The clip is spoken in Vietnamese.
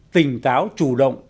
tình táo chủ động